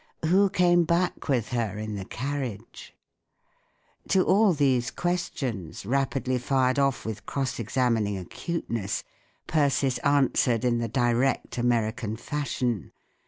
Who came back with her in the carriage ? To all these questions, rapidly fired off with cross examining acuteness, Persis answered in the direct American fashion.